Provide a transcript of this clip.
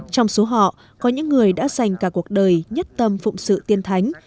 trong số họ có những người đã dành cả cuộc đời nhất tâm phụng sự tiên thánh